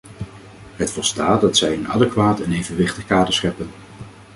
Het volstaat dat zij een adequaat en evenwichtig kader scheppen.